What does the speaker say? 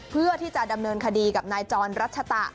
เพื่อที่จะดำเนินคดีกับนายจรรัชตะ